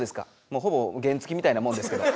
もうほぼ原付きみたいなもんですけど。